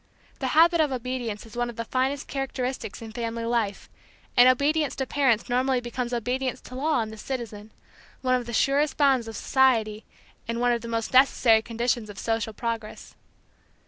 The habit of obedience is one of the finest characteristics in family life, and obedience to parents normally becomes obedience to law in the citizen, one of the surest bonds of society and one of the most necessary conditions of social progress.